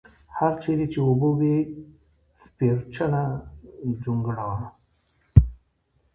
هر چېرې چې اوبه وې سپېرچنه جونګړه وه.